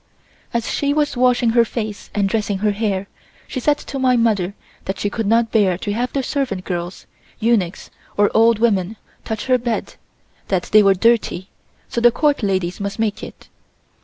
As she was washing her face and dressing her hair, she said to my mother that she could not bear to have the servant girls, eunuchs, or old women, touch her bed, that they were dirty, so the Court ladies must make it.